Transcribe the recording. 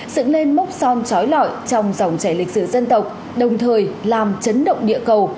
dựng nên mốc son trói lọi trong dòng chảy lịch sử dân tộc đồng thời làm chấn động địa cầu